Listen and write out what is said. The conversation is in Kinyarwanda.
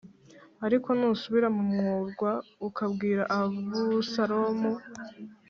Ariko nusubira mu murwa ukabwira Abusalomu